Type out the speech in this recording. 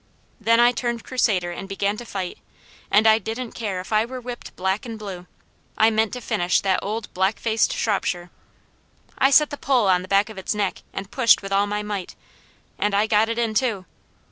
Then I turned Crusader and began to fight, and I didn't care if I were whipped black and blue, I meant to finish that old black faced Shropshire. I set the pole on the back of its neck and pushed with all my might, and I got it in, too.